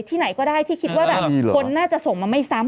ที่ไหนก็ได้ที่คิดว่าแบบคนน่าจะส่งมาไม่ซ้ำ